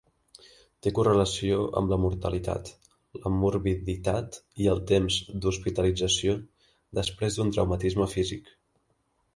Té correlació amb la mortalitat, la morbiditat i el temps d'hospitalització després d'un traumatisme físic.